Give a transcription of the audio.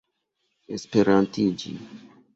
esperantigi